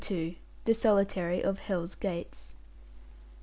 THE SOLITARY OF "HELL'S GATES".